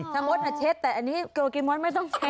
ชะมดอะเช็ดแต่อันนี้กินมดไม่ต้องเช็ด